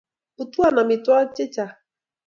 Putwon amitwakik che chang